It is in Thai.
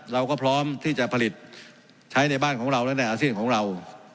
เราก็พร้อมที่จะผลิตใช้ในบ้านของเราและในอาเซียนของเรา